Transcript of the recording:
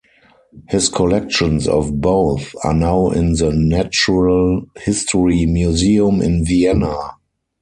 His collections of both are now in the Natural History Museum in Vienna.